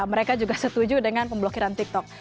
mereka juga setuju dengan pemblokiran tiktok